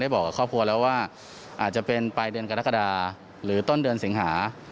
บอกกับครอบครัวแล้วว่าอาจจะเป็นปลายเดือนกรกฎาหรือต้นเดือนสิงหา